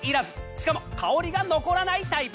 しかも香りが残らないタイプ。